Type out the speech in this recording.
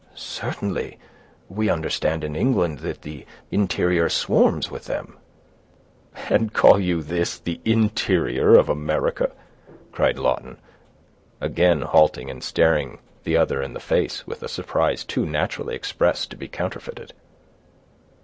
"Certainly; we understand in England that the interior swarms with them." "And call you this the interior of America?" cried Lawton, again halting, and staring the other in the face, with a surprise too naturally expressed to be counterfeited.